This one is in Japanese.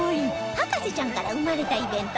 『博士ちゃん』から生まれたイベント